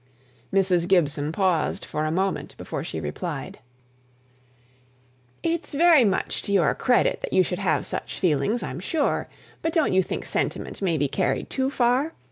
Mrs. Gibson paused for a moment before she replied: "It's very much to your credit that you should have such feelings, I'm sure. But don't you think sentiment may be carried too far?